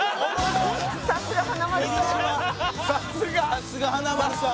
さすが華丸さん。